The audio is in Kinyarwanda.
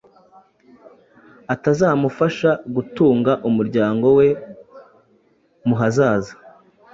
atazamufasha gutunga umuryango we mu hazaza